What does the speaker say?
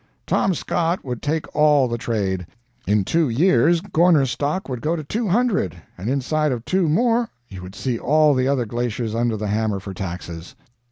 Tom Scott would take all the trade; in two years Gorner stock would go to two hundred, and inside of two more you would see all the other glaciers under the hammer for taxes."